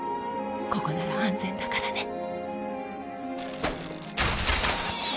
ここなら安全だからね